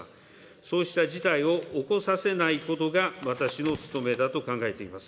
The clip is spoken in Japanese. そうした事態を起こさせないことが私の務めだと考えています。